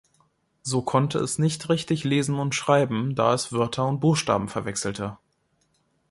So konnte es nicht richtig Lesen und Schreiben, da es Wörter und Buchstaben verwechselte.